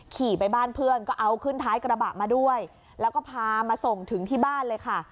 ขี่ไปบ้านเพื่อนก็เอาขึ้นท้ายกระบะมาด้วยแล้วก็พามาส่งถึงที่บ้านเลยค่ะ